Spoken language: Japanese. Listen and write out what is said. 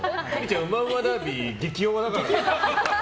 うまうまダービー激弱だからね。